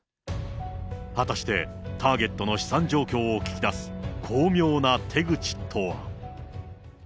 果たして、ターゲットの資産状況を聞き出す巧妙な手口とは。